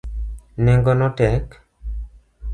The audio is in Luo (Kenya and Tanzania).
Nengo no tek.